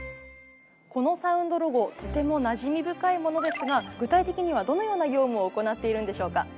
このサウンドロゴとてもなじみ深いものですが具体的にはどのような業務を行っているんでしょうか？